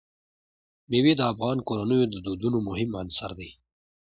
مېوې د افغان کورنیو د دودونو مهم عنصر دی.